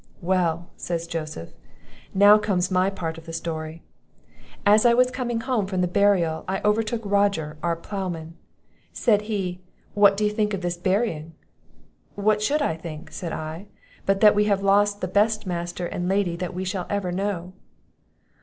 "Well," says Joseph, "now comes my part of the story. As I was coming home from the burial, I overtook Roger our ploughman. Said he, What think you of this burying? 'What should I think,' said I, 'but that we have lost the best Master and Lady that we shall ever know?